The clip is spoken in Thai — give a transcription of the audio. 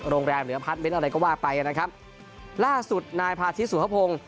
โรงแรมหรือว่าพัทเม้นท์อะไรก็ว่าไปอ่ะนะครับสุดนายภาษณ์อื่นสูฮพลง